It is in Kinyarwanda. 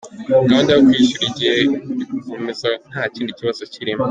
Gahunda yo kwishyura igiye gukomeza nta kindi kibazo kirimo”.